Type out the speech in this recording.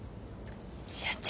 社長。